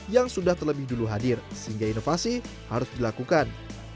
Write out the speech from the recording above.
yang sudah terlebih dulu hadir sehingga inovasi harus dilakukan